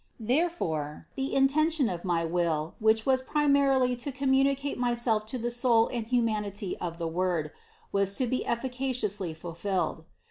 Therefore, the intention of my will, which was primarily to communicate Myself to the soul and hu manity of the Word, was to be efficaciously fulfilled.